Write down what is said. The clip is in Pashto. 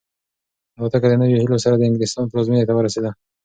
الوتکه د نویو هیلو سره د انګلستان پلازمینې ته ورسېده.